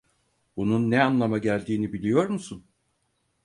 Bunun ne anlama geldiğini biliyor musun?